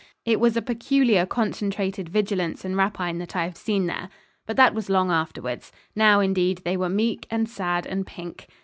It was a peculiar concentrated vigilance and rapine that I have seen there. But that was long afterwards. Now, indeed, they were meek, and sad, and pink.